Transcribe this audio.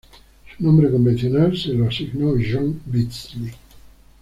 Su nombre convencional se lo asignó John Beazley.